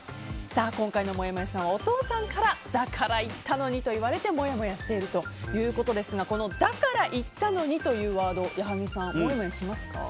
今回のもやもやさんはお父さんからだから言ったのにと言われてもやもやしているということですがだから言ったのにというワード矢作さんもやもやしますか？